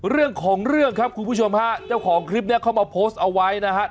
เรื่องของเรื่องครับคุณผู้ชมฮะเจ้าของคลิปนี้เข้ามาโพสต์เอาไว้นะฮะ